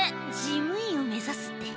事務員を目ざすって。